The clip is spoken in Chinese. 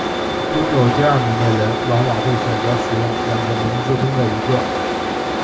拥有第二名的人往往会选择使用两个名字中的一个。